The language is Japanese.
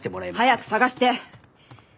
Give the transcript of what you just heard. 早く捜して。